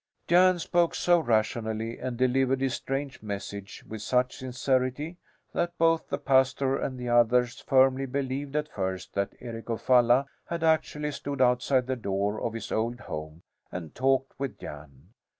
'" Jan spoke so rationally and delivered his strange message with such sincerity that both the pastor and the others firmly believed at first that Eric of Falla had actually stood outside the door of his old home and talked with Jan.